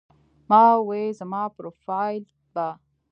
ما وې زما پروفائيل به